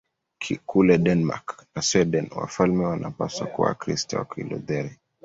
Kule Denmark na Sweden wafalme wanapaswa kuwa Wakristo wa Kilutheri.